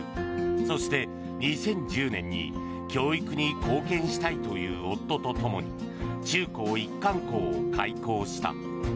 そして、２０１０年に教育に貢献したいという夫とともに中高一貫校を開校した。